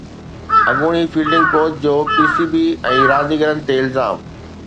اڳوڻي fielding coach جو P C B ۽ رانديگرن تي الزام